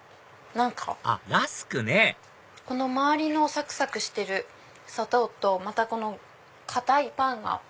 あっラスクねこの周りのサクサクしてる砂糖とこの堅いパンが。